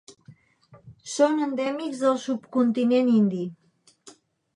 Són endèmics del subcontinent indi.